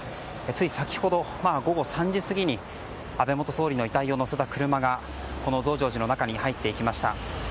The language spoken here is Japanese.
つい先ほど、午後３時過ぎに安倍元総理の遺体を乗せた車が増上寺の中に入っていきました。